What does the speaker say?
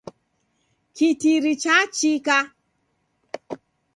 Kitiri chachika.